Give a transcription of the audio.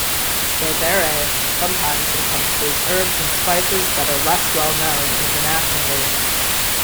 Berbere sometimes encompasses herbs and spices that are less well known internationally.